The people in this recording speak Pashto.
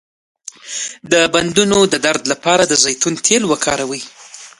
د بندونو درد لپاره د زیتون تېل وکاروئ